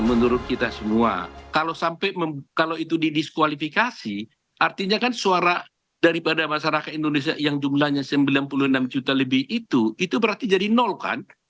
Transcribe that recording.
menurut kita semua kalau sampai kalau itu didiskualifikasi artinya kan suara daripada masyarakat indonesia yang jumlahnya sembilan puluh enam juta lebih itu itu berarti jadi nol kan